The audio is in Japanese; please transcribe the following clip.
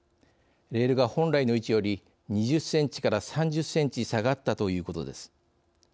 レールが、本来の位置より２０３０センチ下がったということです。